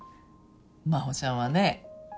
真帆ちゃんはね